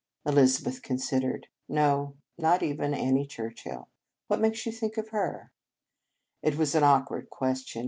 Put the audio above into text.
Elizabeth considered. "No, not even Annie Churchill. What makes you think of her?" 97 In Our Convent Days It was an awkward question.